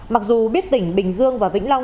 mặc dù biết tỉnh bình dương và vĩnh long